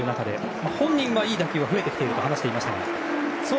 本人はいい打球は振れてきていると話していましたが。